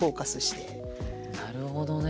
なるほどね。